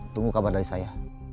tunggu kabar dari saya